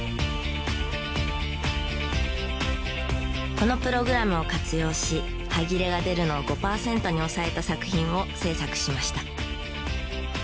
このプログラムを活用し端切れが出るのを５パーセントに抑えた作品を制作しました。